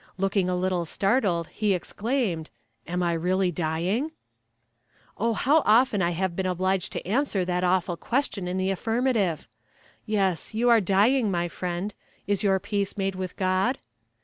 Looking a little startled he exclaimed "Am I really dying?" Oh, how often have I been obliged to answer that awful question in the affirmative! "Yes, you are dying, my friend. Is your peace made with God?"